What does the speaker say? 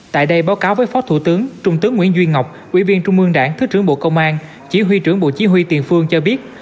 tại đây báo cáo với phó thủ tướng trung tướng nguyễn duy ngọc ủy viên trung mương đảng thứ trưởng bộ công an chỉ huy trưởng bộ chí huy tiền phương cho biết